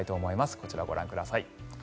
こちらをご覧ください。